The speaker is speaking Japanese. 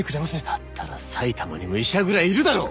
だったら埼玉にも医者ぐらいいるだろ！